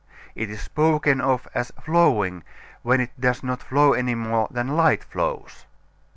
It is spoken of as "flowing" when it does not flow any more than light flows.